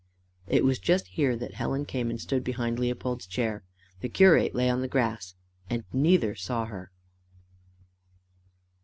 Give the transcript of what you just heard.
It was just here that Helen came and stood behind Leopold's chair. The curate lay on the grass, and neither saw her.